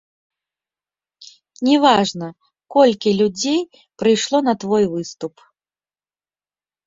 Не важна, колькі людзей прыйшло на твой выступ.